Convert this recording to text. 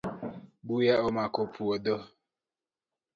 Buya omako puodho